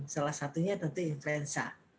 salah satunya tentu influenza